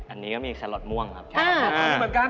อันนี้ก็มีแคลอร์ทม่วงครับ